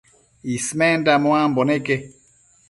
Ismenda muambo neque